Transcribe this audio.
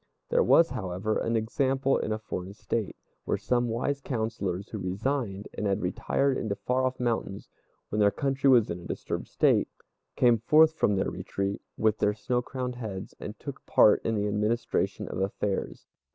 There was, however, an example in a foreign State, where some wise councillors, who resigned and had retired into the far off mountains when their country was in a disturbed state, came forth from their retreat, with their snow crowned heads, and took part in the administration of affairs.